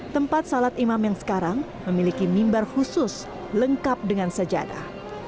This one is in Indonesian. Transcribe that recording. tempat salat imam yang sekarang memiliki mimbar khusus lengkap dengan sejadah